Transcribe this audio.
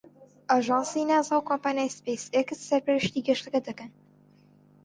ئاژانسی ناسا و کۆمپانیای سپەیس ئێکس سەرپەرشتی گەشتەکە دەکەن.